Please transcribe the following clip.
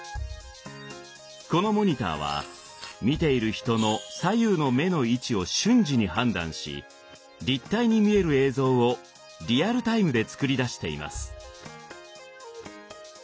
このモニターは見ている人の左右の目の位置を瞬時に判断し立体に見える映像をリアルタイムで作り出しています。